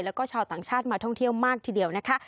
แล้วก็ชาวต่างชาติมาท่องเที่ยวมากทีเดียวนะคะ